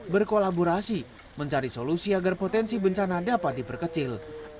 berkolaborasi mencari solusi agar potensi bencana dapat diperkecil